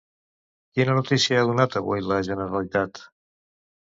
Quina notícia ha donat avui la Generalitat?